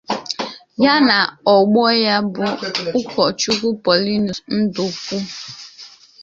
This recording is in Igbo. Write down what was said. ya na ògbò ya bụ Ụkọchukwu Paulinus Ndiukwu